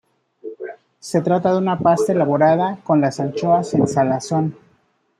Se trata de una pasta elaborada con las anchoas en salazón.